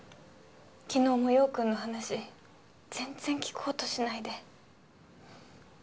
昨日も陽君の話全然聞こうとしないで。